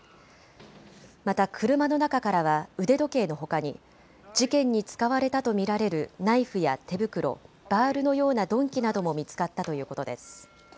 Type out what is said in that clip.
また車の中からは腕時計のほかに事件に使われたと見られるナイフや手袋、バールのような鈍器なども見つかったということです。